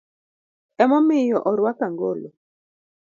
Emomiyo orwako angolo.